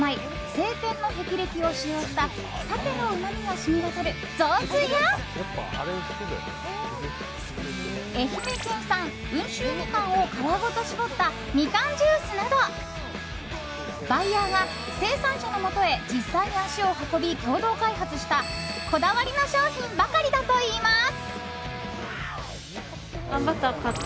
青天の霹靂を使用したサケのうまみが染み渡る雑炊や愛媛県産温州みかんを皮ごと搾ったミカンジュースなどバイヤーが生産者のもとへ実際に足を運び共同開発したこだわりの商品ばかりだといいます。